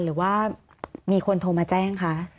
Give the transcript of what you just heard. หรือว่ามีคนโทรมาแจ้งคะ